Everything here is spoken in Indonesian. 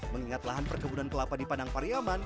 mengingat lahan perkebunan kelapa di padang pariaman